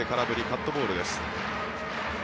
カットボールです。